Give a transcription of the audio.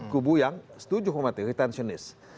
kubu yang setuju hukuman mati retentionist